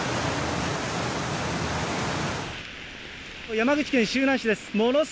山口県周南市です。